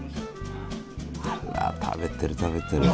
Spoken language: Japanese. あら食べてる食べてる。